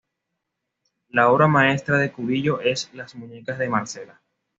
La obra maestra de Cubillo es "Las muñecas de Marcela".